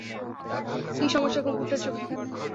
কী সমস্যা কুকুরটার চোখে?